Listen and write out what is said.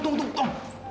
katanya lo mau kerja